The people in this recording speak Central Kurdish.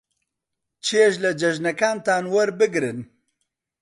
چێژ لە جەژنەکانتان وەربگرن.